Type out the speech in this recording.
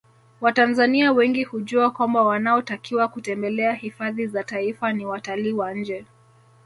Watanzania wengi hujua kwamba wanaotakiwa kutembelea hifadhi za Taifa ni watalii wa nje